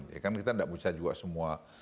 ya kan kita tidak bisa juga semua